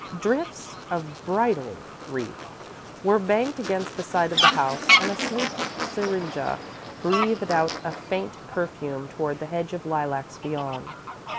Drifts of "bridal wreath" were banked against the side of the house and a sweet syringa breathed out a faint perfume toward the hedge of lilacs beyond.